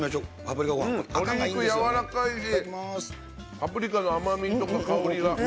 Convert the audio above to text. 鶏肉、やわらかいしパプリカの甘みとか香りが。